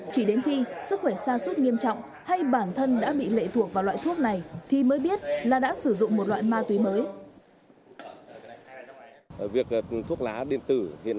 chỉ đến khi sức khỏe xa suốt nghiêm trọng